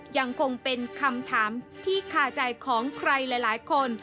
ยังคงเป็นคำถามที่คาใจของใครหลายคน